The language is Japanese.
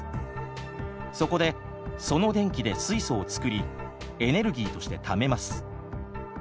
そこでその電気で水素を作りエネルギーとしてためます。